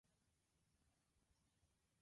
This was known as "Muhammadan Law".